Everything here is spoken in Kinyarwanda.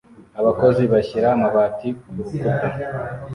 Abakozi bashira amabati kurukuta